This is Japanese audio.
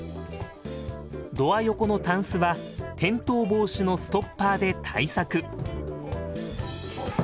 ドア横のタンスは転倒防止のストッパーで対策。